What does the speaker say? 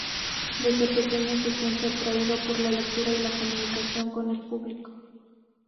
Desde pequeño se siente atraído por la lectura y la comunicación con el público.